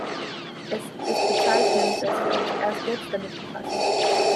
Es ist bezeichnend, dass wir uns erst jetzt damit befassen.